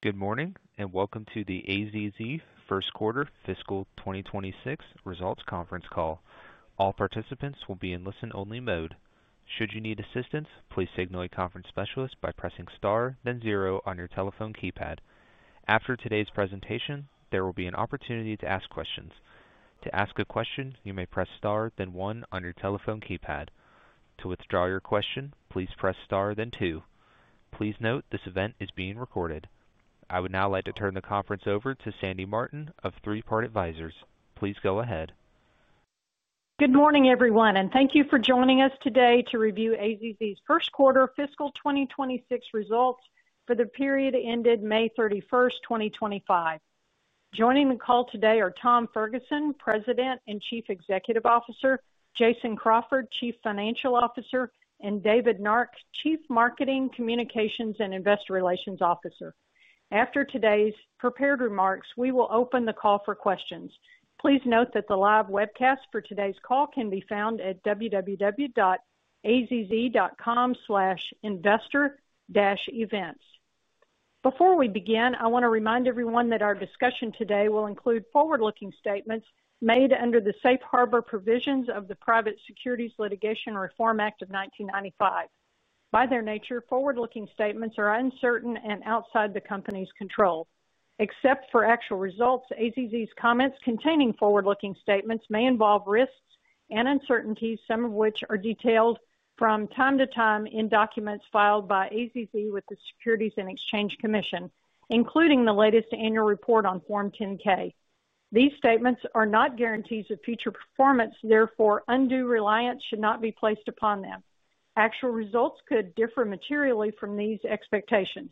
Good morning, and welcome to the AZZ First Quarter Fiscal twenty twenty six Results Conference Call. All participants will be in listen only mode. Please note this event is being recorded. I would now like to turn the conference over to Sandy Martin of Three Part Advisors. Please go ahead. Good morning, everyone, and thank you for joining us today to review AZZ's first quarter fiscal twenty twenty six results for the period ended 05/31/2025. Joining the call today are Tom Ferguson, President and Chief Executive Officer Jason Crawford, Chief Financial Officer and David Nark, Chief Marketing, Communications and Investor Relations Officer. After today's prepared remarks, we will open the call for questions. Please note that the live webcast for today's call can be found at www.azz.com/investorevents. Before we begin, I want to remind everyone that our discussion today will include forward looking statements made under the Safe Harbor provisions of the Private Securities Litigation Reform Act of 1995. By their nature, forward looking statements are uncertain and outside the company's control. Except for actual results, AZZ's comments containing forward looking statements may involve risks and uncertainties, some of which are detailed from time to time in documents filed by AZZ with the Securities and Exchange Commission, including the latest annual report on Form 10 ks. These statements are not guarantees of future performance, reliance should not be placed upon them. Actual results could differ materially from these expectations.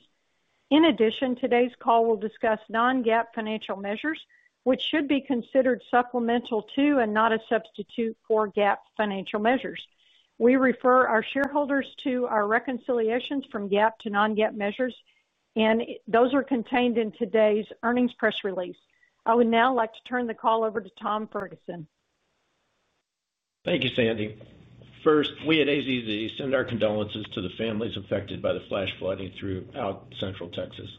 In addition, today's call will discuss non GAAP financial measures, which should be considered supplemental to and not a substitute for GAAP financial measures. We refer our shareholders to our reconciliations from GAAP to non GAAP measures, and those are contained in today's earnings press release. I would now like to turn the call over to Tom Ferguson. Thank you, Sandy. First, we at AZZ send our condolences to the families affected by the flash flooding throughout Central Texas.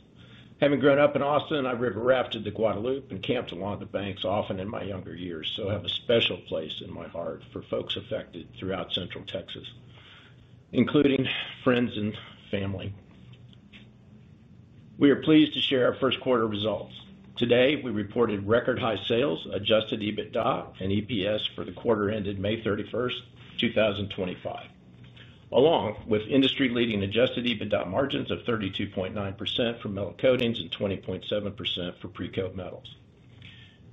Having grown up in Austin, I river rafted the Guadalupe and camped along the banks often in my younger years. So I have a special place in my heart for folks affected throughout Central Texas, including friends and family. We are pleased to share our first quarter results. Today, we reported record high sales, adjusted EBITDA and EPS for the quarter ended 05/31/2025, along with industry leading adjusted EBITDA margins of 32.9% for Metal Coatings and 20.7% for Pre Coat Metals.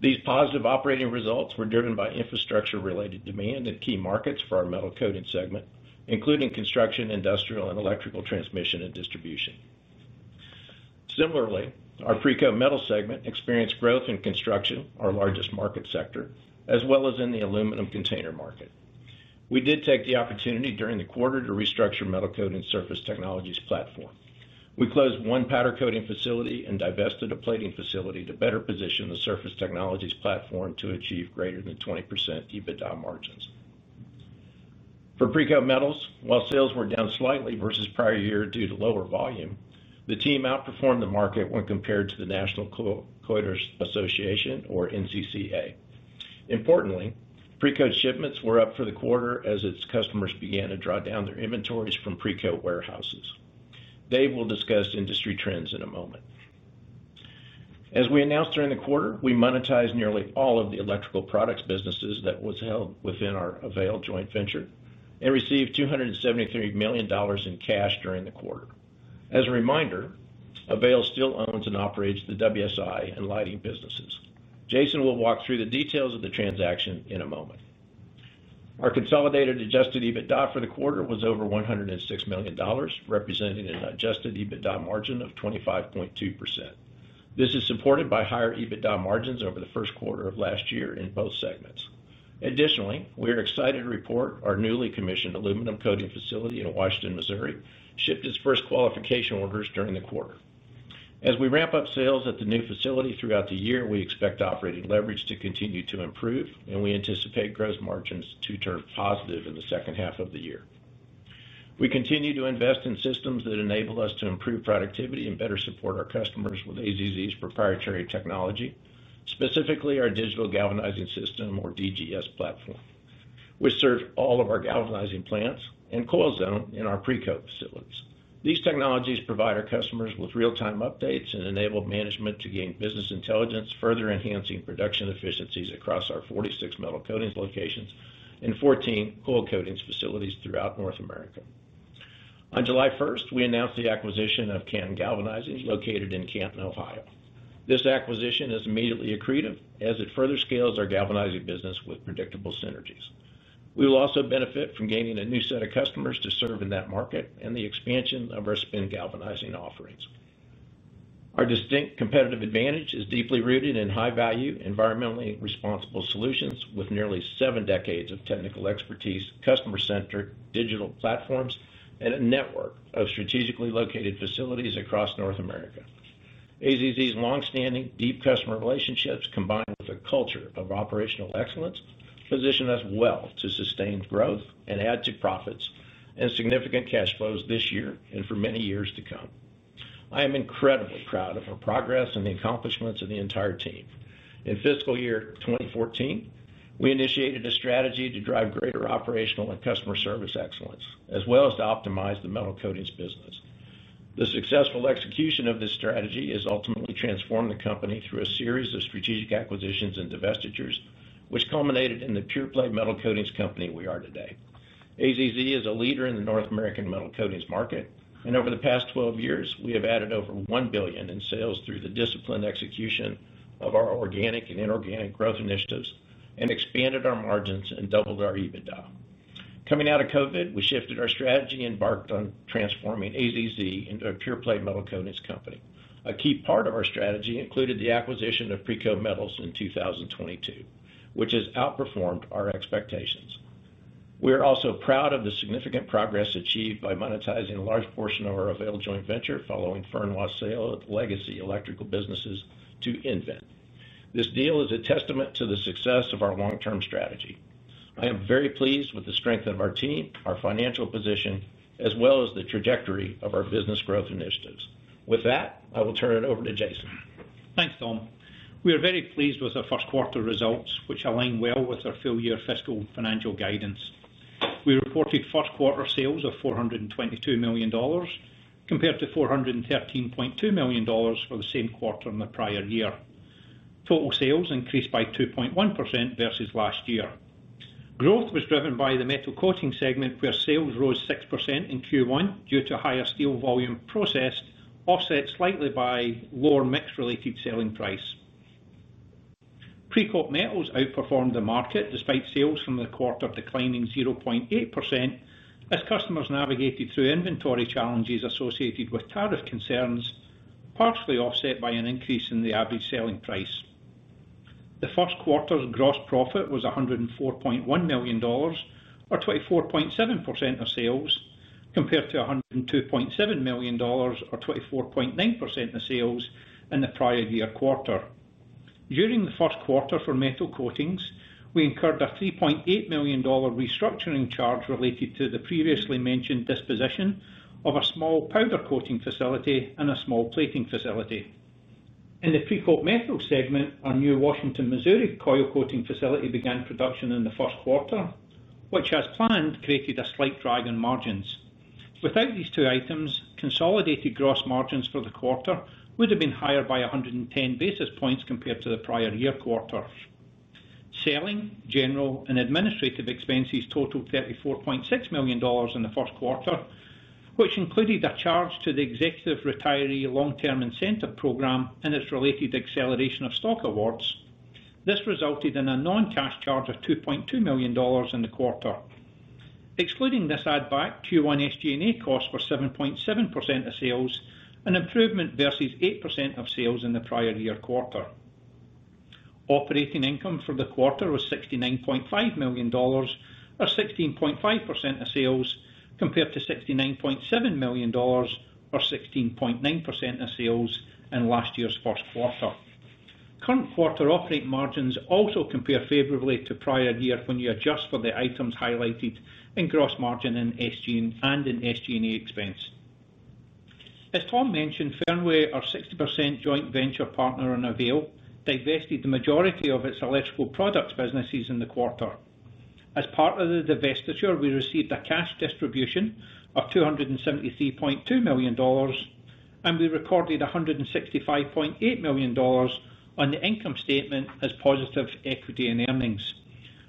These positive operating results were driven by infrastructure related demand in key markets for our Metal Coatings segment, including construction, industrial and electrical transmission and distribution. Similarly, our PreCoat Metal segment experienced growth in construction, our largest market sector, as well as in the aluminum container market. We did take the opportunity during the quarter to restructure Metal Coating Surface Technologies platform. We closed one powder coating facility and divested a plating facility to better position the Surface Technologies platform to achieve greater than 20% EBITDA margins. For PreCo Metals, while sales were down slightly versus prior year due to lower volume, the team outperformed the market when compared to the National Coiters Association or NCCA. Importantly, precoat shipments were up for the quarter as its customers began to draw down their inventories from precoat warehouses. Dave will discuss industry trends in a moment. As we announced during the quarter, we monetized nearly all of the electrical products businesses that was held within our Avail joint venture and received $273,000,000 in cash during the quarter. As a reminder, Avail still owns and operates the WSI and Lighting businesses. Jason will walk through the details of the transaction in a moment. Our consolidated adjusted EBITDA for the quarter was over $106,000,000 representing an adjusted EBITDA margin of 25.2%. This is supported by higher EBITDA margins over the first quarter of last year in both segments. Additionally, we are excited to report our newly commissioned aluminum coating facility in Washington, Missouri shipped its first qualification orders during the quarter. As we ramp up sales at the new facility throughout the year, we expect operating leverage to continue to improve and we anticipate gross margins to turn positive in the second half of the year. We continue to invest in systems that enable us to improve productivity and better support our customers with AZZ's proprietary technology, specifically our digital galvanizing system or DGS platform, which serves all of our galvanizing plants and coil zone in our pre coat facilities. These technologies provide our customers with real time updates and enabled management to gain business intelligence further enhancing production efficiencies across our 46 metal coatings locations and 14 coil coatings facilities throughout North America. On July 1, we announced the acquisition of Canton Galvanizing located in Canton, Ohio. This acquisition is immediately accretive as it further scales our galvanizing business with predictable synergies. We will also benefit from gaining a new set of customers to serve in that market and the expansion of our spin galvanizing offerings. Our distinct competitive advantage is deeply rooted in high value, environmentally responsible solutions with nearly seven decades of technical expertise, customer centric, digital platforms and a network of strategically located facilities across North America. AZZ's long standing deep customer relationships combined with a culture of operational excellence position us well to sustain growth and add to profits and significant cash flows this year and for many years to come. I am incredibly proud of our progress and the accomplishments of the entire team. In fiscal year twenty fourteen, we initiated a strategy to drive greater operational and customer service excellence as well as to optimize the metal coatings business. The successful execution of this strategy has ultimately transformed the company through a series of strategic acquisitions and divestitures, which culminated in the pure play metal coatings company we are today. AZZ is a leader in the North American metal coatings market. And over the past twelve years, we have added over $1,000,000,000 in sales through the disciplined execution of our organic and inorganic growth initiatives and expanded our margins and doubled our EBITDA. Coming out of COVID, we shifted our strategy embarked on transforming AZZ into a pure play metal coatings company. A key part of our strategy included the acquisition of Preco Metals in 2022, which has outperformed our expectations. We are also proud of the significant progress achieved by monetizing a large portion of our Avail joint venture following Fernwa sale of legacy electrical businesses to nVent. This deal is a testament to the success of our long term strategy. I am very pleased with the strength of our team, our financial position as well as the trajectory of our business growth initiatives. With that, I will turn it over to Jason. Thanks, Tom. We are very pleased with our first quarter results, which align well with our full year fiscal financial guidance. We reported first quarter sales of $422,000,000 compared to $413,200,000 for the same quarter in the prior year. Total sales increased by 2.1% versus last year. Growth was driven by the Metal Coatings segment where sales rose 6% in Q1 due to higher steel volume processed offset slightly by lower mix related selling price. Pre Coop Metals outperformed the market despite sales from the quarter declining 0.8% as customers navigated through inventory challenges associated with tariff concerns, partially offset by an increase in the average selling price. The first quarter's gross profit was $104,100,000 or 24.7% of sales compared to $102,700,000 or 24.9% of sales in the prior year quarter. During the first quarter for metal coatings, we incurred a $3,800,000 restructuring charge related to the previously mentioned disposition of a small powder coating facility and a small plating facility. In the Precoat Metals segment, our new Washington, Missouri coil coating facility began production in the first quarter, which as planned created a slight drag in margins. Without these two items, consolidated gross margins for the quarter would have been higher by 110 basis points compared to the prior year quarter. Selling, general and administrative expenses totaled $34,600,000 in the first quarter, which included a charge to the executive retiree long term incentive program its related acceleration of stock awards. This resulted in a non cash charge of $2,200,000 in the quarter. Excluding this add back, Q1 SG and A costs were 7.7% of sales, an improvement versus 8% of sales in the prior year quarter. Operating income for the quarter was $69,500,000 or 16.5% of sales compared to $69,700,000 or 16.9% of sales in last year's first quarter. Current quarter operating margins also compare favorably to prior year when you adjust for the items highlighted in gross margin And As Tom mentioned, Fernway, our 60% joint venture partner in Aaveel, divested the majority of its electrical products businesses in the quarter. As part of the divestiture, we received a cash distribution of $273,200,000 and we recorded $165,800,000 on the income statement as positive equity and earnings,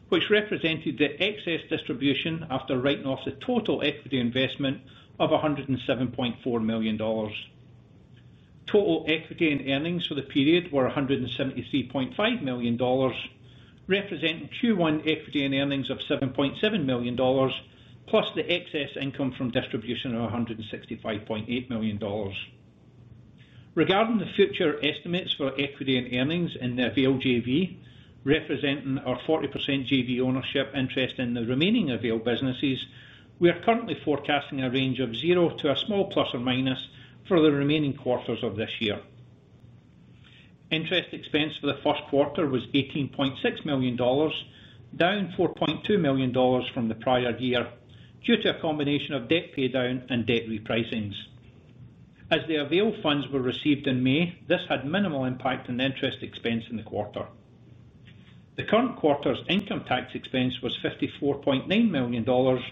which represented the excess distribution after writing off the total equity investment of $107,400,000 Total equity and earnings for the period were $173,500,000 representing Q1 equity and earnings of $7,700,000 plus the excess income from distribution of $165,800,000 Regarding the future estimates for equity and earnings in the JV, representing our 40% JV ownership interest in the remaining Avail businesses, we are currently forecasting a range of zero to a small plus or minus for the remaining quarters of this year. Interest expense for the first quarter was $18,600,000 down 4,200,000 from the prior year due to a combination of debt pay down and debt repricings. As the Avail funds were received in May, this had minimal impact on interest expense in the quarter. The current quarter's income tax expense was $54,900,000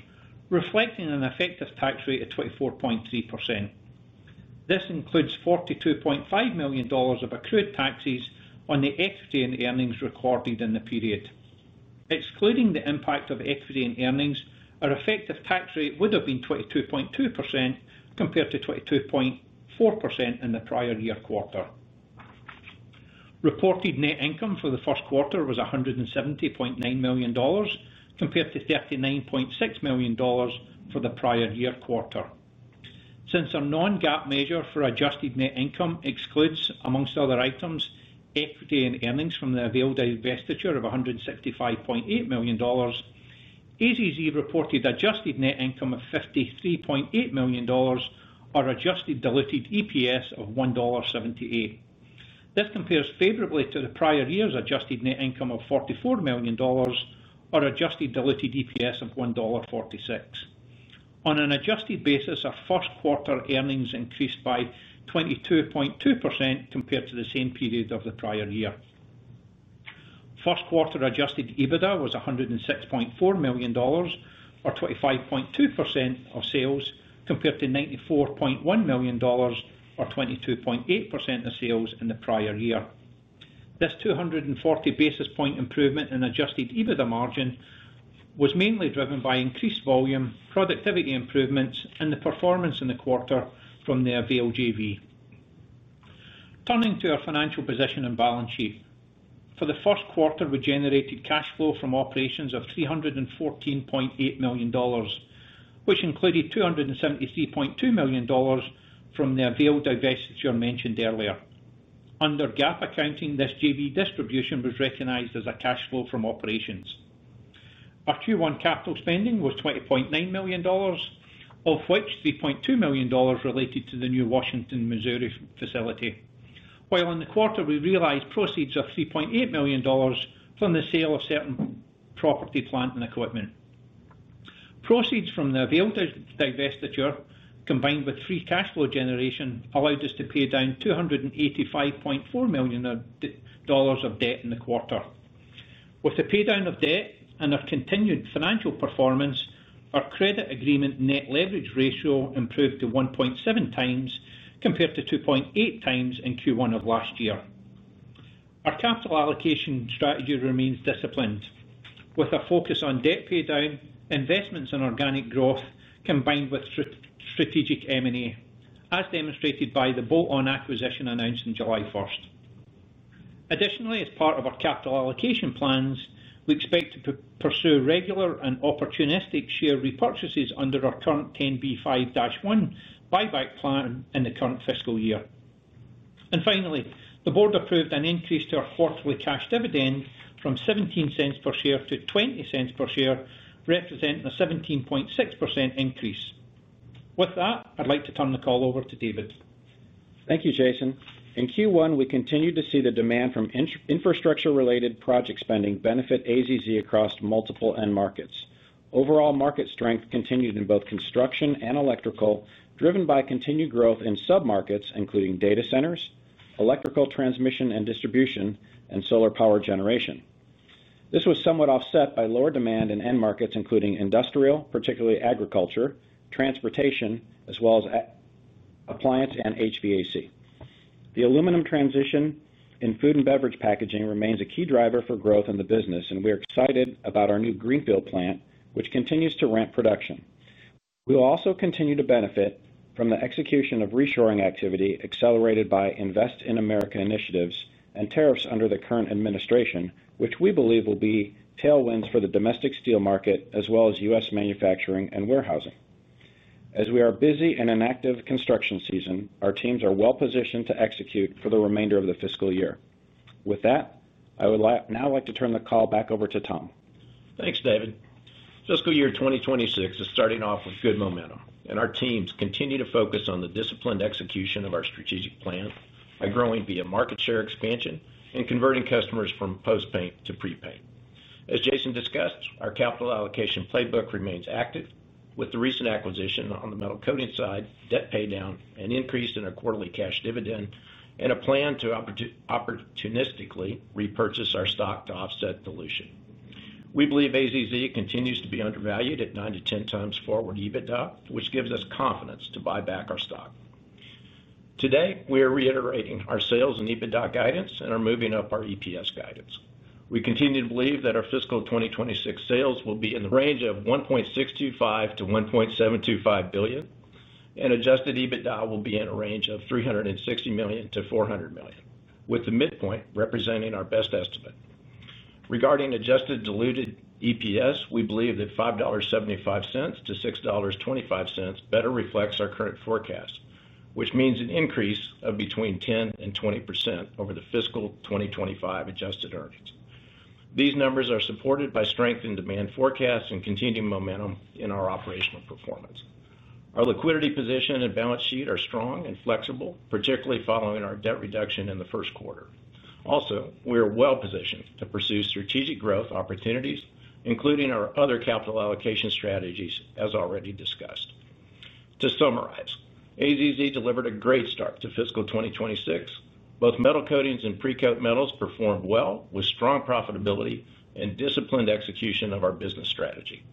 reflecting an effective tax rate of 24.3%. This includes $42,500,000 of accrued taxes on the equity and earnings recorded in the period. Excluding the impact of equity and earnings, our effective tax rate would have been 22.2% compared to 22.4% in the prior year quarter. Reported net income for the first quarter was $170,900,000 compared to $39,600,000 for the prior year quarter. Since our non GAAP measure for adjusted net income excludes amongst other items, equity and earnings from the Avail divestiture of $165,800,000 AZZ reported adjusted net income of $53,800,000 or adjusted diluted EPS of $1.78 This compares favorably to the prior year's adjusted net income of $44,000,000 or adjusted diluted EPS of $1.46 On an adjusted basis, our first quarter earnings increased by 22.2% compared to the same period of the prior year. First quarter adjusted EBITDA was $106,400,000 or 25.2% of sales compared to $94,100,000 or 22.8% of sales in the prior year. This two forty basis point improvement in adjusted EBITDA margin was mainly driven by increased volume, productivity improvements and the performance in the quarter from the Avail JV. Turning to our financial position and balance sheet. For the first quarter, we generated cash flow from operations of $314,800,000 which included $273,200,000 from the Avail divestiture mentioned earlier. Under GAAP accounting, this JV distribution was recognized as a cash flow from operations. Our Q1 capital spending was $20,900,000 of which $3,200,000 related to the new Washington, Missouri facility. While in the quarter, we realized proceeds of $3,800,000 from the sale of certain property, plant and equipment. Proceeds from the Avail divestiture combined with free cash flow generation allowed us to pay down 285,400,000.0 dollars of debt in the quarter. With the paydown of debt and our continued financial performance, our credit agreement net leverage ratio improved to 1.7 times compared to 2.8 times in Q1 of last year. Our capital allocation strategy remains disciplined with a focus on debt pay down, investments in organic growth combined with strategic M and A as demonstrated by the bolt on acquisition announced in July 1. Additionally, as part of our capital allocation plans, we expect to pursue regular and opportunistic share repurchases under our current 10b5-one buyback plan in the current fiscal year. And finally, the Board approved an increase to our quarterly cash dividend from $0.17 per share to $0.20 per share, representing a 17.6% increase. With that, I'd like to turn the call over to David. Thank you, Jason. In Q1, we continued to see the demand from infrastructure related project spending benefit AZZ across multiple end markets. Overall market strength continued in both construction and electrical driven by continued growth in submarkets including data centers, electrical transmission and distribution and solar power generation. This was somewhat offset by lower demand in end markets including industrial, particularly agriculture, transportation as well as appliance and HVAC. The aluminum transition in food and beverage packaging remains a key driver for growth in the business and we excited about our new Greenfield plant, which continues to ramp production. We will also continue to benefit from the execution of reshoring activity accelerated by invest in America initiatives and tariffs under the current administration, which we believe will be tailwinds for the domestic steel market as well as U. S. Manufacturing and warehousing. As we are busy and in active construction season, our teams are well positioned to execute for the remainder of the fiscal year. With that, I would now like to turn the call back over to Tom. Thanks, David. Fiscal year twenty twenty six is starting off with good momentum and our teams continue to focus on the disciplined execution of our strategic plan by growing via market share expansion and converting customers from post paint to prepay. As Jason discussed, our capital allocation playbook remains active with the recent acquisition on the metal coatings side, debt pay down and increase in our quarterly cash dividend and a plan to opportunistically repurchase our stock to offset dilution. We believe AZZ continues to be undervalued at nine to 10 times forward EBITDA, which gives us confidence to buy back our stock. Today, we are reiterating our sales and EBITDA guidance and are moving up our EPS guidance. We continue to believe that our fiscal twenty twenty six sales will be in the range of 1,625,000,000 to 1,725,000,000.000 and adjusted EBITDA will be in a range of $360,000,000 to $400,000,000 with the midpoint representing our best estimate. Regarding adjusted diluted EPS, we believe that $5.75 to $6.25 better reflects our current forecast, which means an increase of between 1020% over the fiscal twenty twenty five adjusted earnings. These numbers are supported by strength in demand forecasts and continued momentum in our operational performance. Our liquidity position and balance sheet are strong and flexible, particularly following our debt reduction in the first quarter. Also, are well positioned to pursue strategic growth opportunities, including our other capital allocation strategies as already discussed. To summarize, AZZ delivered a great start to fiscal twenty twenty six. Both metal coatings and precoat metals performed well with strong profitability and disciplined execution of our business strategy.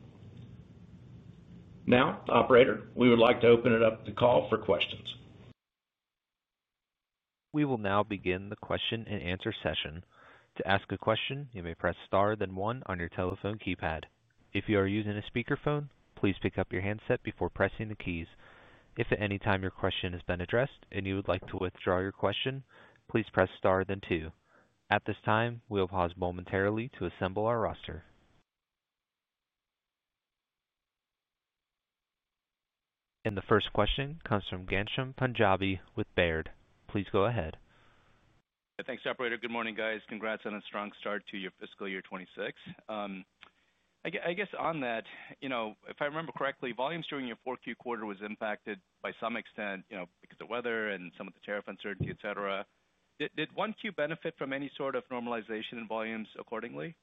Now, operator, we would like to open it up the call for questions. We will now begin the question and answer session. And the first question comes from Ghansham Panjabi with Baird. Please go ahead. Thanks, operator. Good morning, guys. Congrats on a strong start to your fiscal year 2026. I guess on that, if I remember correctly, during your 4Q quarter was impacted by some extent because of weather and some of the tariff uncertainty, etcetera. Did 1Q benefit from any sort of normalization in volumes accordingly?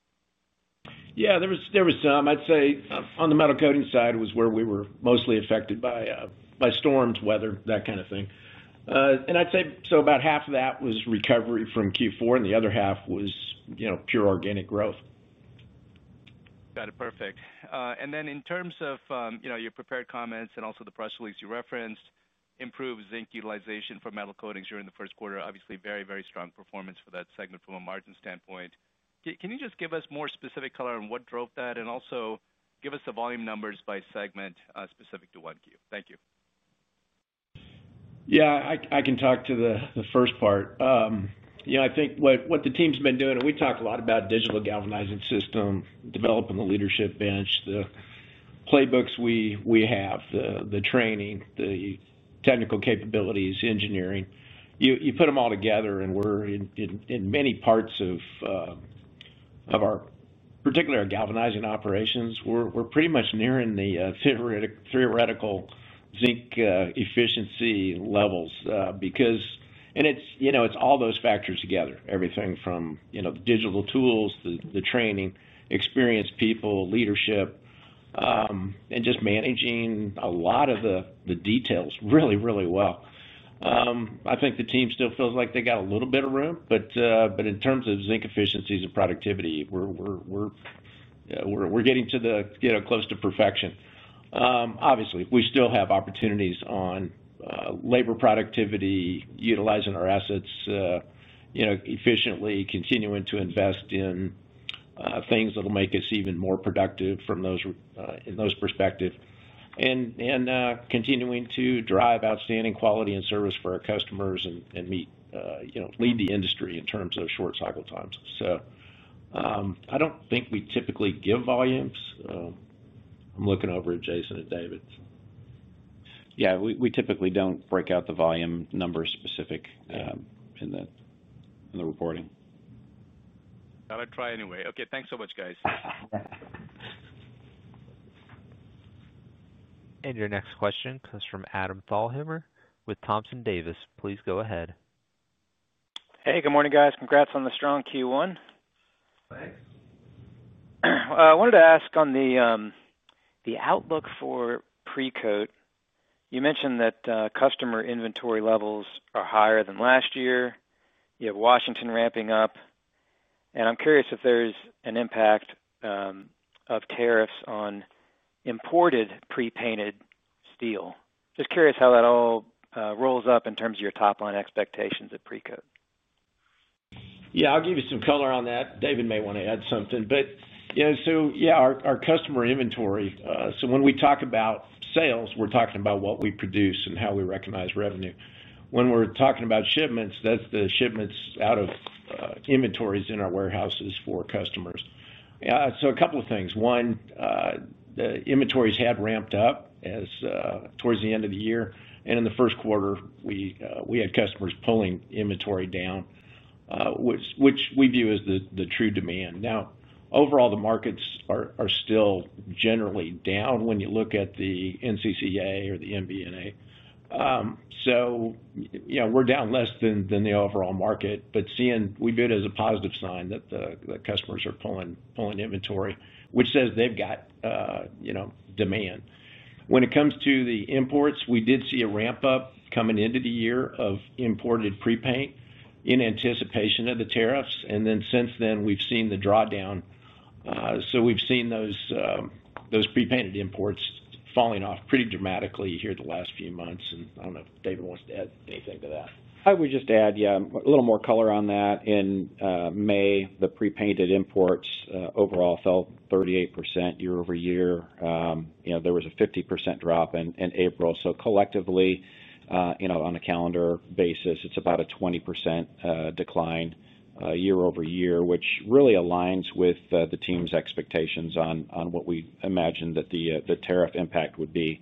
Yes, there was some. I'd say on the Metal Coatings side was where we were mostly affected by storms, weather, that kind of thing. And I'd say so about half of that was recovery from Q4 and the other half was pure organic growth. Got it. Perfect. And then in terms of your prepared comments and also the press release you referenced, improved zinc utilization for Metal Coatings during the first quarter, obviously very, very strong performance for that segment from a margin standpoint. Can you just give us more specific color on what drove that? And also give us the volume numbers by segment specific to 1Q? Yes. I can talk to the first part. Yeah. I think what what the team's been doing, and we talk a lot about digital galvanizing system, developing the leadership bench, the playbooks we we have, the the training, the technical capabilities, engineering. You put them all together and we're in many parts of our particularly our galvanizing operations, we're pretty much nearing the theoretical zinc efficiency levels because and it's all those factors together, everything from digital tools, the training, experienced people, leadership and just managing a lot of the details really, really well. I think the team still feels like they got a little bit of room. But in terms of zinc efficiencies and productivity, we're getting to the close to perfection. Obviously, we still have opportunities on labor productivity, utilizing our assets efficiently, continuing to invest in things that will make us even more productive from those in those perspective and continuing to drive outstanding quality and service for our customers and meet lead the industry in terms of short cycle times. So I don't think we typically give volumes. I'm looking over at Jason and David. Yes, we typically don't break out the volume number specific in the reporting. Got it, try anyway. Okay. Thanks so much guys. And your next question comes from Adam Thalhimer with Thompson Davis. Please go ahead. Hey, good morning guys. Congrats on the strong Q1. Thanks. I wanted to ask on the outlook for Precoat. You mentioned that customer inventory levels are higher than last year. You have Washington ramping up. And I'm curious if there's an impact of tariffs on imported pre painted steel. Just curious how that all rolls up in terms of your top line expectations at Precoat? Yeah. I'll give you some color on that. David may want to add something. But yeah. So yeah. Our our customer inventory. So when we talk about sales, we're talking about what we produce and how we recognize revenue. When we're talking about shipments, that's the shipments out of inventories in our warehouses for customers. So a couple of things. One, the inventories had ramped up as towards the end of the year. And in the first quarter, we had customers pulling inventory down, which we view as the true demand. Now overall, the markets are still generally down when you look at the NCCA or the MBNA. So we're down less than the overall market, but seeing we view it as a positive sign that the customers are pulling inventory, which says they've got demand. When it comes to the imports, we did see a ramp up coming into the year of imported pre paint in anticipation of the tariffs. And then since then, we've seen the drawdown. So we've seen those pre painted imports falling off pretty dramatically here the last few months. And I don't know if David wants to add anything to that. I would just add, yes, a little more color on that. In May, the prepainted imports overall fell 38% year over year. There was a 50% drop in April. So collectively, on a calendar basis, it's about a 20% decline year over year, which really aligns with the team's expectations on what we imagined that the tariff impact would be.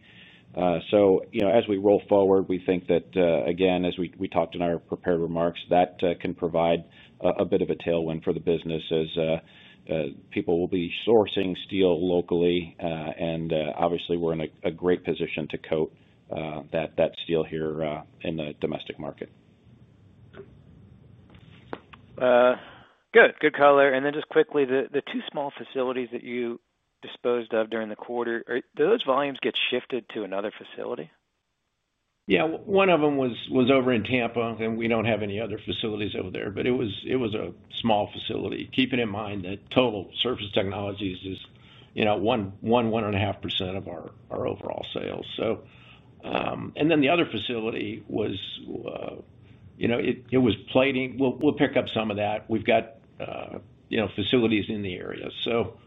So as we roll forward, we think that, again, as we talked in our prepared remarks, that can provide a bit of a tailwind for the business as people will be sourcing steel locally. And obviously, we're in a great position to coat that steel here in the domestic market. Good color. And then just quickly, the two small facilities that you disposed of during the quarter, do those volumes get shifted to another facility? Yes. One of them was over in Tampa, and we don't have any other facilities over there. But it was a small facility, keeping in mind that total Surface Technologies is 11.5% of our overall sales. So and then the other facility was it was plating. We'll pick up some of that. We've got facilities in the area. So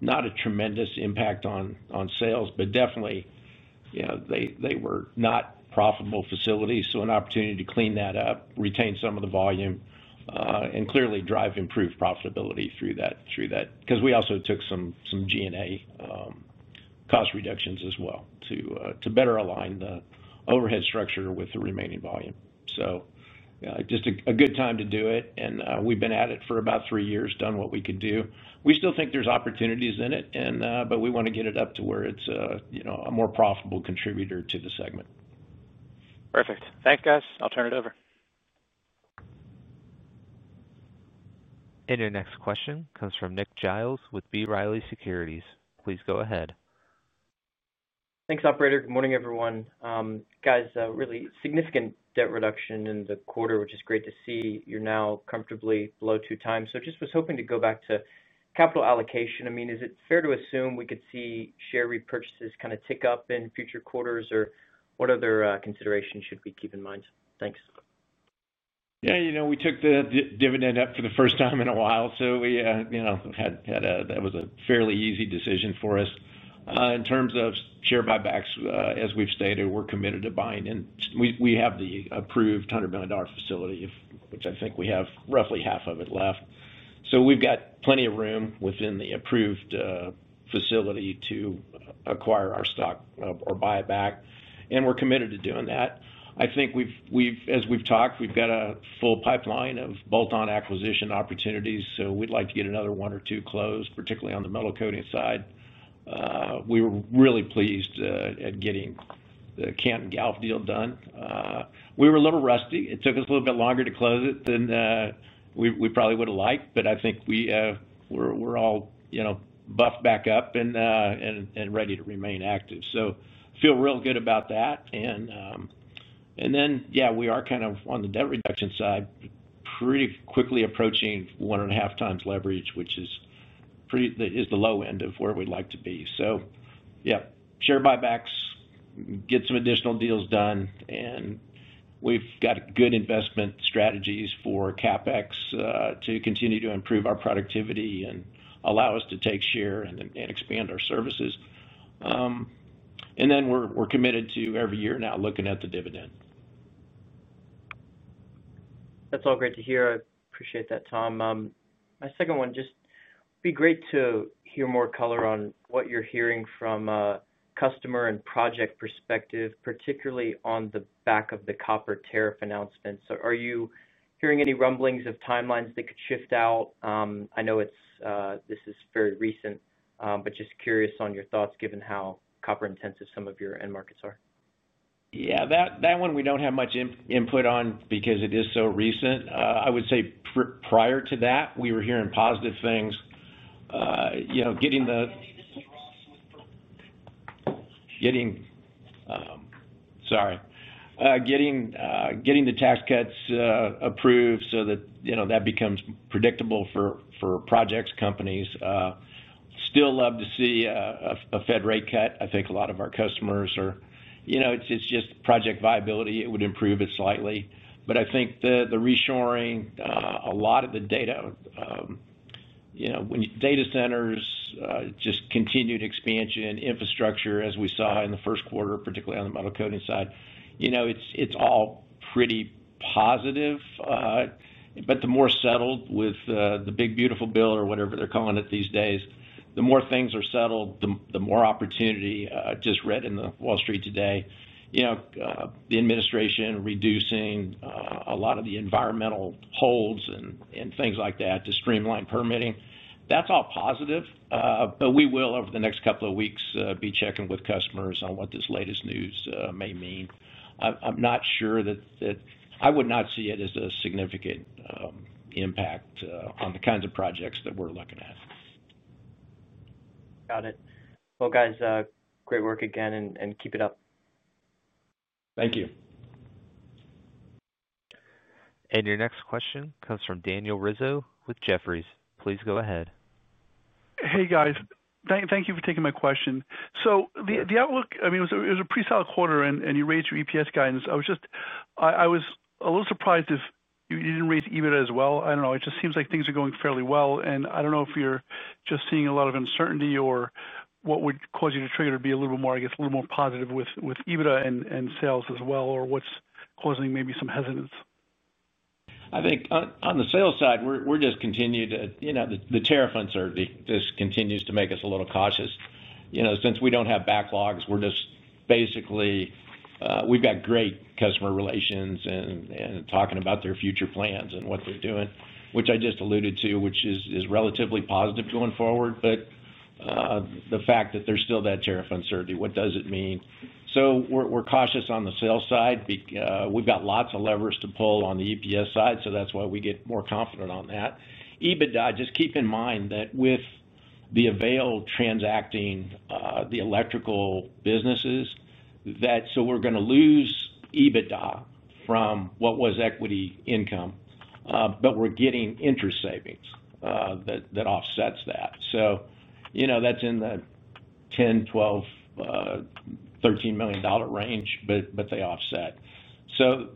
not a tremendous impact on sales, but definitely, they were not profitable facilities. So an opportunity to clean that up, retain some of the volume and clearly drive improved profitability through that because we also took some G and A cost reductions as well to better align the overhead structure with the remaining volume. So just a good time to do it, and we've been at it for about three years, done what we could do. We still think there's opportunities in it, and but we want to get it up to where it's a more profitable contributor to the segment. Perfect. Thanks guys. I'll turn it over. And your next question comes from Nick Giles with B. Riley Securities. Please go ahead. Thanks, operator. Good morning, everyone. Guys, really significant debt reduction in the quarter, which is great to see. You're now comfortably below two times. So just was hoping to go back to capital allocation. I mean, is it fair to assume we could see share repurchases kind of tick up in future quarters? Or what other considerations should we keep in mind? Thanks. Yes. We took the dividend up for the first time in a while. So we had a that was a fairly easy decision for us. In terms of share buybacks, as we've stated, we're committed to buying in. We have the approved $100,000,000 facility, I think we have roughly half of it left. So we've got plenty of room within the approved facility to acquire our stock or buy it back, and we're committed to doing that. I think we've as we've talked, we've got a full pipeline of bolt on acquisition opportunities. So we'd like to get another one or two closed, particularly on the metal coating side. We were really pleased at getting the Canton Galve deal done. We were a little rusty. It took us a little bit longer to close it than we probably would have liked, but I think we're all buffed back up and ready to remain active. So feel real good about that. And then, yes, we are kind of on the debt reduction side, pretty quickly approaching 1.5 times leverage, which is pretty is the low end of where we'd like to be. So yes, share buybacks, get some additional deals done, and we've got good investment strategies for CapEx to continue to improve our productivity and allow us to take share and expand our services. And then we're committed to every year now looking at the dividend. That's all great to hear. I appreciate that, Tom. My second one, just be great to hear more color on what you're hearing from a customer and project perspective, particularly on the back of the copper tariff announcements. So are you hearing any rumblings of timelines that could shift out? I know it's this is very recent, but just curious on your thoughts given how copper intensive some of your end markets are? Yes. That one we don't have much input on because it is so recent. I would say prior to that, we were hearing positive things. Getting the tax cuts approved so that, that becomes predictable for projects companies. Still love to see a Fed rate cut. I think a lot of our customers are it's just project viability. It would improve it slightly. But I think the reshoring, a lot of the data data centers, just continued expansion, infrastructure as we saw in the first quarter, particularly on the metal coating side, it's all pretty positive. But the more settled with the big beautiful bill or whatever they're calling it these days, the more things are settled, the more opportunity. I just read in The Wall Street today, the administration reducing a lot of the environmental holds and things like that to streamline permitting. That's all positive. But we will, over the next couple of weeks, be checking with customers on what this latest news may mean. I'm not sure that I would not see it as a significant impact on the kinds of projects that we're looking at. Got it. Well, guys, great work again, and keep it up. Thank you. And your next question comes from Daniel Rizzo with Jefferies. Please go ahead. Hey guys. Thank you for taking my question. So outlook, I mean, was a pretty solid quarter and you raised your EPS guidance. I was just I was a little surprised if you didn't raise EBITDA as well. I don't know, it just seems like things are going fairly well. And I don't know if you're just seeing a lot of uncertainty or what would cause you to trigger to be a little more, I guess, little more positive with EBITDA and sales as well? Or what's causing maybe some hesitance? I think on the sales side, we're just continuing to the tariff uncertainty just continues to make us a little cautious. You know, since we don't have backlogs, we're just basically we've got great customer relations and talking about their future plans and what they're doing, which I just alluded to, which is relatively positive going forward. But the fact that there's still that tariff uncertainty, what does it mean? So we're cautious on the sales side. We've got lots of levers to pull on the EPS side, so that's why we get more confident on that. EBITDA, just keep in mind that with the Avail transacting the electrical businesses that so we're going to lose EBITDA from what was equity income, but we're getting interest savings offsets that. So that's in the $10,000,000 $12,000,000 $13,000,000 range, they offset. So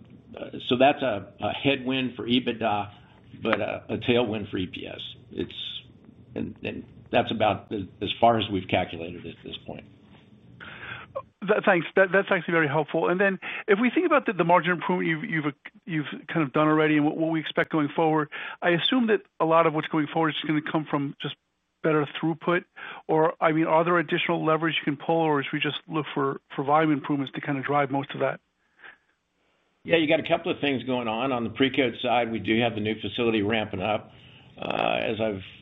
that's a headwind for EBITDA, but a tailwind for EPS. It's and that's about as far as we've calculated at this point. Thanks. That's actually very helpful. And then if we think about the margin improvement you've kind of done already and what we expect going forward, I assume that a lot of what's going forward is going to come from just better throughput. Or I mean, are there additional levers you can pull? Or as we just look for volume improvements to kind of drive most of that? Yes. You got a couple of things going on. On the Precoat side, we do have the new facility ramping up. As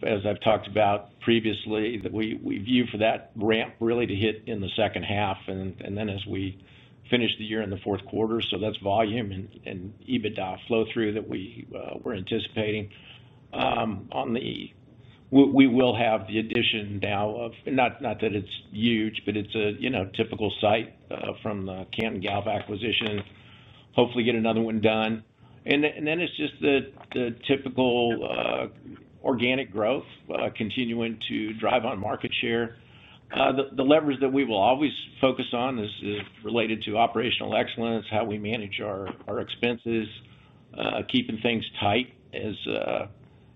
I've talked about previously, we view for that ramp really to hit in the second half and then as we finish the year in the fourth quarter. So that's volume and EBITDA flow through that we were anticipating. On the we will have the addition now of not that it's huge, but it's a typical site from the Cam and Galp acquisition, hopefully get another one done. And then it's just the typical organic growth continuing to drive on market share. The levers that we will always focus on is related to operational excellence, how we manage our expenses, keeping things tight as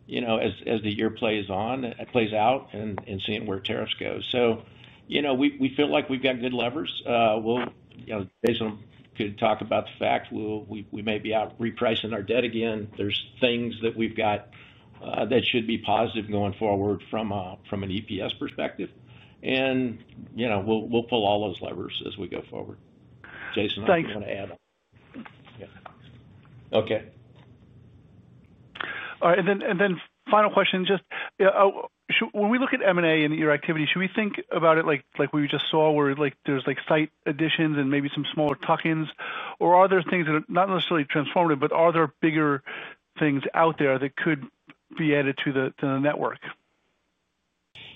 the year plays on plays out and seeing where tariffs go. So we feel like we've got good levers. We'll based on could talk about the fact we may be out repricing our debt again. There's things that we've got that should be positive going forward from an EPS perspective. And we'll pull all those levers as we go forward. Jason, if Thank you. You want to All right. And then final question, just when we look at M and A and your activity, should we think about it like we just saw where like there's like site additions and maybe some smaller tuck ins? Or are there things that are not necessarily transformative, but are there bigger things out there that could be added to the network?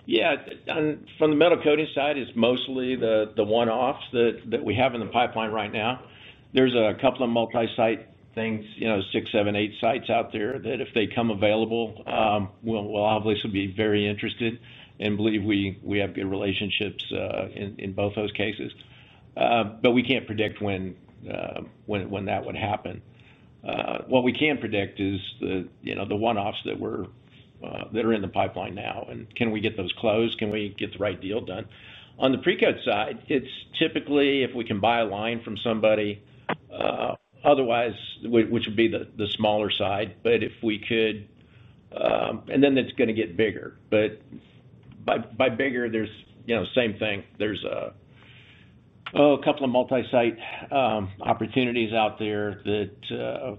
Yes. From the Metal Coatings side, it's mostly the one offs that we have in the pipeline right now. There's a couple of multi site things, six, seven, eight sites out there that if they come available, we'll obviously be very interested and believe we have good relationships in both those cases. But we can't predict when that would happen. What we can predict is the one offs that were that are in the pipeline now. And can we get those closed? Can we get the right deal done? On the precut side, it's typically if we can buy a line from somebody, otherwise, which would be the smaller side. But if we could and then it's gonna get bigger. But by by bigger, there's, you know, same thing. There's a couple of multisite opportunities out there that,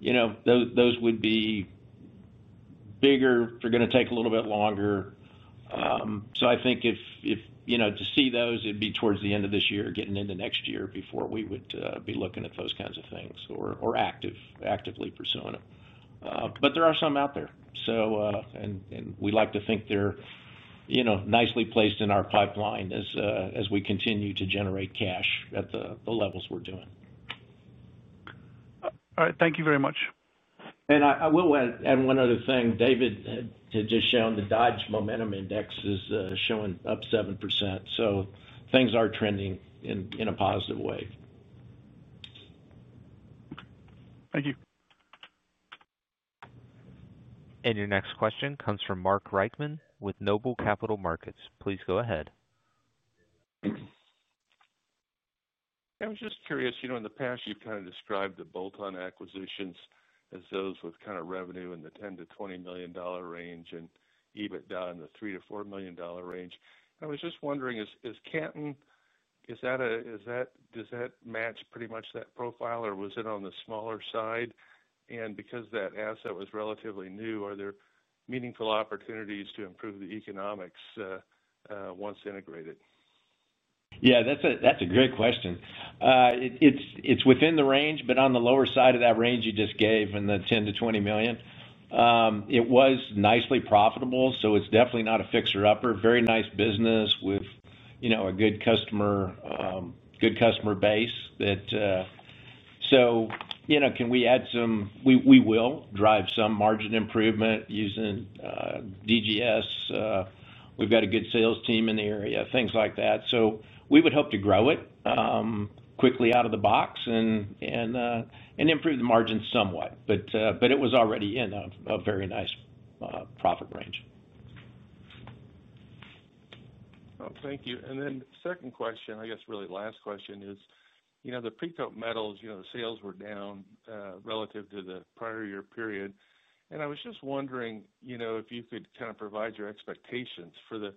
you know, those those would be bigger, they're going to take a little bit longer. So I think if to see those, it'd be towards the end of this year, getting into next year before we would be looking at those kinds of things or actively pursuing them. But there are some out there. So and we'd like to think they're nicely placed in our pipeline as we continue to generate cash at the levels we're doing. All right. Thank you very much. And I will add one other thing. David had just shown the Dodge Momentum Index is showing up 7%. So things are trending in a positive way. Thank you. And your next question comes from Mark Reichman with Noble Capital Markets. Please go ahead. I was just curious, in the past you've kind of described the bolt on acquisitions as those with kind of revenue in the 10,000,000 to $20,000,000 range and EBITDA in the 3,000,000 to $4,000,000 range. I was just wondering is Canton, does that match pretty much that profile or was it on the smaller side? And because that asset was relatively new, are there meaningful opportunities to improve the economics once integrated? Yes, that's a great question. It's within the range, but on the lower side of that range you just gave in the 10,000,000 to $20,000,000 it was nicely profitable. So it's definitely not a fixer upper, very nice business with a good customer base that so, you know, can we add some we will drive some margin improvement using DGS. We've got a good sales team in the area, things like that. So we would hope to grow it quickly out of the box and improve the margin somewhat. But it was already in a very nice profit range. Thank you. And then second question, I guess really last question is, the pre top metals sales were down relative to the prior year period. And I was just wondering if you could kind of provide your expectations for the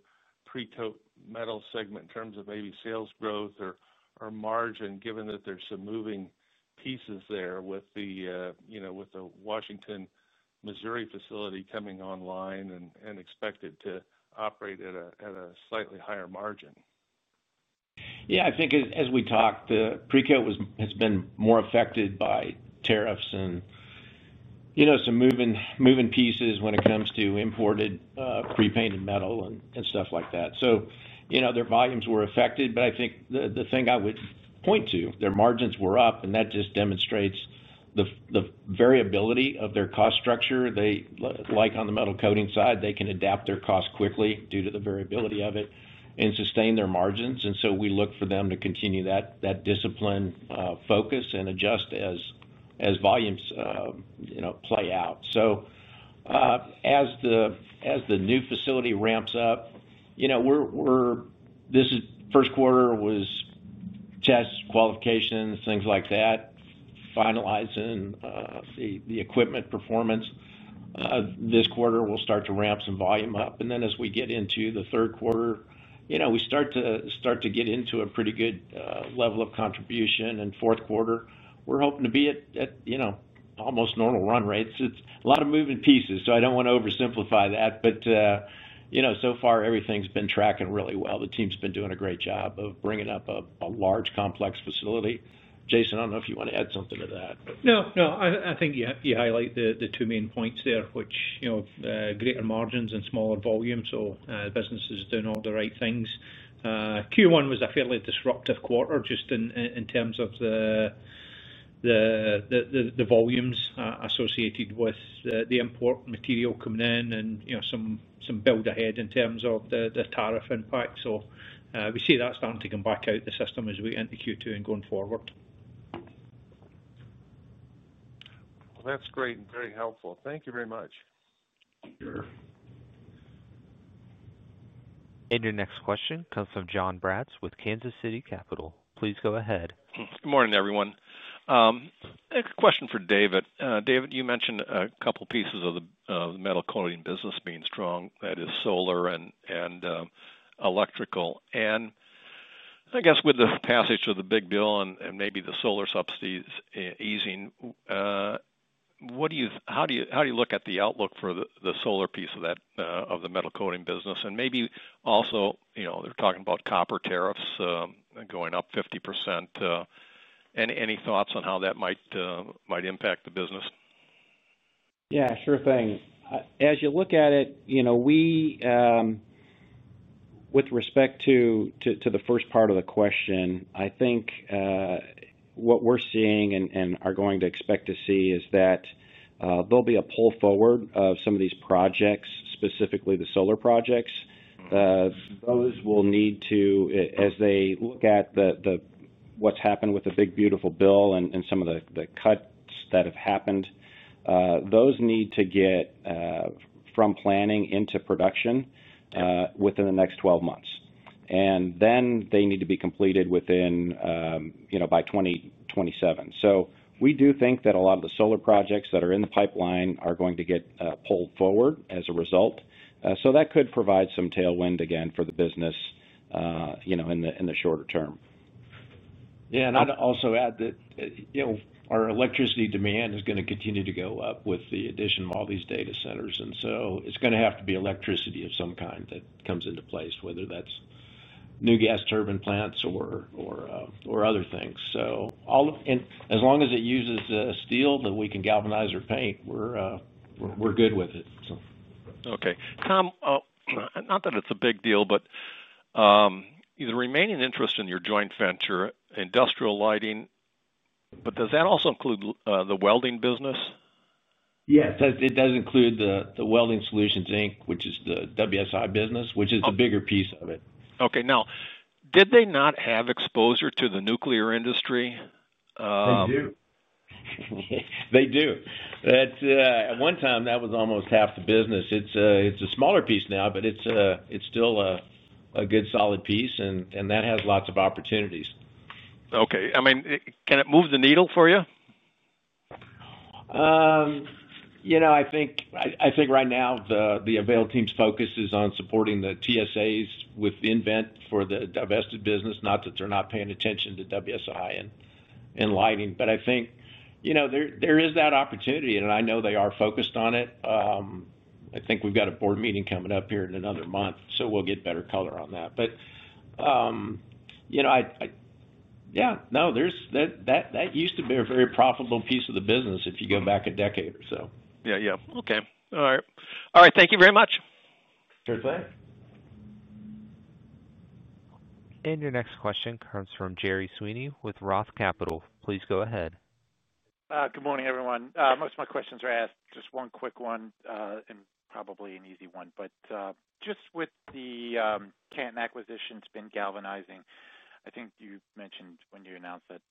pre top metals segment in terms of maybe sales growth or margin given that there's some moving pieces there with the Washington, Missouri facility coming online and expected to operate at slightly higher margin? Yes. I think as we talked, the precoat has been more affected by tariffs and some moving pieces when it comes to imported, painted metal and stuff like that. So their volumes were affected, but I think the thing I would point to, their margins were up, and that just demonstrates the variability of their cost structure. They like on the metal coating side, they can adapt their cost quickly due to the variability of it and sustain their margins. And so we look for them to continue that discipline focus and adjust as volumes play out. So as the new facility ramps up, we're this is first quarter was test qualifications, things like that, finalizing the equipment performance. This quarter, we'll start to ramp some volume up. And then as we get into the third quarter, we start to get into a pretty good level of contribution in fourth quarter. We're hoping to be at almost normal run rates. It's a lot of moving pieces, so I don't want to oversimplify that. But so far, everything has been tracking really well. The team has been doing a great job of bringing up a large complex facility. Jason, I don't know if you want to add something to that. No, no. I think you highlight the two main points there, which greater margins and smaller volumes, so businesses doing all the right things. Q1 was a fairly disruptive quarter just in terms of the volumes associated with the import material coming in and some build ahead in terms of the tariff impact. So we see that starting to come back out of the system as we enter Q2 and going forward. Well, that's great and very helpful. Thank you very much. Sure. And your next question comes from Jon Braatz with Kansas City Capital. Please go ahead. Good morning, everyone. A question for David. David, you mentioned a couple of pieces of the Metal Coatings business being strong, is solar and electrical. And I guess with the passage of the big deal and maybe the solar subsidies easing, what do you how do you look at the outlook for the solar piece of that of the Metal Coating business? And maybe also, they're talking about copper tariffs going up 50%. Any thoughts on how that might impact the business? Yes, sure thing. As you look at it, we with respect to the first part of the question, I think what we're seeing and are going to expect to see is that there'll be a pull forward of some of these projects, specifically the solar projects. Those will need to as they look at the what's happened with the big beautiful bill and some of the cuts that have happened, those need to get from planning into production within the next twelve months. And then they need to be completed within by 2027. So we do think that a lot of the solar projects that are in the pipeline are going to get pulled forward as a result. So that could provide some tailwind again for the business in the shorter term. Yes. And I'd also add that our electricity demand is going to continue to go up with the addition of all these data centers. And so it's going to have to be electricity of some kind that comes into place, whether that's new gas turbine plants or other things. So all of and as long as it uses steel that we can galvanize or paint, we're good with it. Okay. Tom, not that it's a big deal, but the remaining interest in your joint venture, Industrial Lighting, but does that also include the Welding business? Yes. It does include the Welding Solutions Inc, which is the WSI business, which is a bigger piece of it. Okay. Now did they not have exposure to the nuclear industry? They do. They do. At one time, that was almost half the business. It's a smaller piece now, but it's still a good solid piece and that has lots of opportunities. Okay. I mean, can it move the needle for you? I think right now the Avel team's focus is on supporting the TSAs with the nVent for the divested business, not that they're not paying attention to WSI and and Lighting. But I think, you know, there there is that opportunity, and I know they are focused on it. I think we've got a board meeting coming up here in another month, so we'll get better color on that. But, I yes, no, there's that used to be a very profitable piece of the business if you go back a decade or so. Yes, yes. Okay. All right. Thank you very much. Sure thing. And your next question comes from Gerry Sweeney with ROTH Capital. Please go ahead. Good morning, everyone. Most of my questions are asked. Just one quick one and probably an easy one. But just with the Canton acquisition spin galvanizing, I think you mentioned when you announced that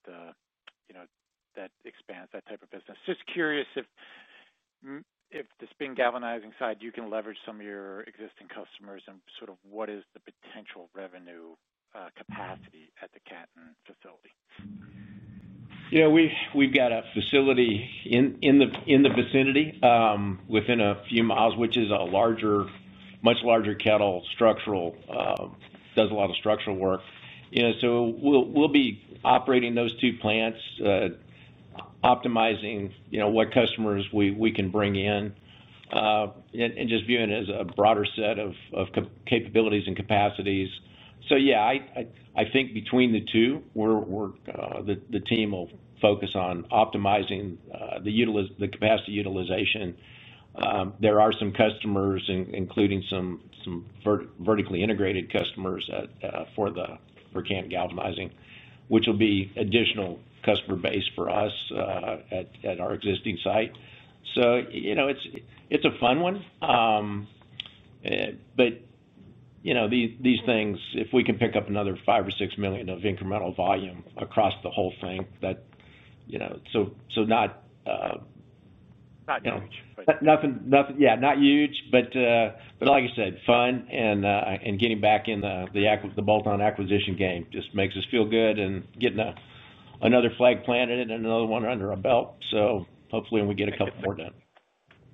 expands that type of business. Just curious if the spin galvanizing side, you can leverage some of your existing customers and sort of what is the potential revenue capacity at the Canton facility? Yeah. We've we've got a facility in in the in the vicinity within a few miles, which is a larger much larger kettle structural does a lot of structural work. You know, so we'll we'll be operating those two plants, optimizing what customers we can bring in and just viewing it as a broader set of capabilities and capacities. So yes, I think between the two, we're the team will focus on optimizing the capacity utilization. There are some customers, including some vertically integrated customers for for camp galvanizing, which will be additional customer base for us at our existing site. So it's a fun one. But these things, if we can pick up another 5,000,000 or $6,000,000 of incremental volume across the whole thing, so not Not huge. Nothing yes, not huge. But like I said, fun and getting back in the bolt on acquisition game just makes us feel good and getting another flag planted and another one under our belt. So hopefully, when we get a couple more done.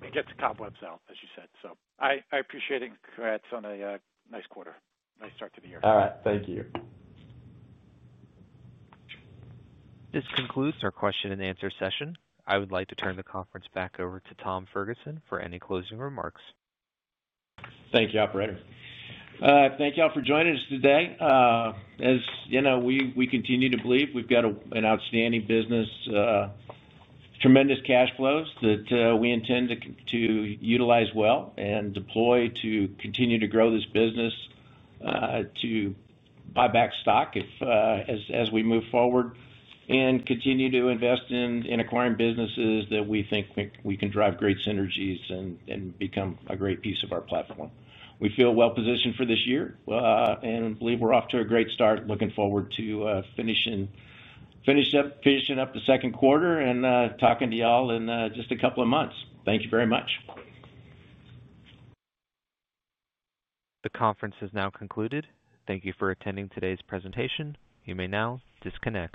It gets cobwebs out, as you said. So I appreciate it and congrats on a nice quarter. Nice start to the year. All right. Thank you. This concludes our question and answer session. I would like to turn the conference back over to Tom Ferguson for any closing remarks. Thank you, operator. Thank you all for joining us today. As you know, we continue to believe we've got an outstanding business, tremendous cash flows that we intend to utilize well and deploy to continue to grow this business to buy back stock as we move forward and continue to invest in acquiring businesses that we think we can drive great synergies and become a great piece of our platform. We feel well positioned for this year and believe we're off to a great start, looking forward to finishing up the second quarter and talking to you all in just a couple of months. Thank you very much. The conference has now concluded. Thank you for attending today's presentation. You may now disconnect.